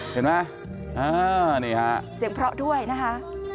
เห็นไหมนี่ฮะเสียงเพราะด้วยนะคะ